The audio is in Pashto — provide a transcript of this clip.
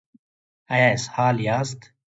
ایا اسهال یاست؟